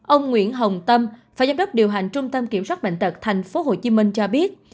ông nguyễn hồng tâm phó giám đốc điều hành trung tâm kiểm soát bệnh tật tp hcm cho biết